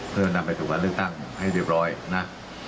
เพื่อนำไปสู่การเลือกตั้งให้เรียบร้อยนะ